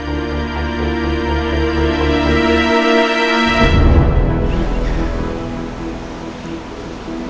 beneran mau ninggalin gue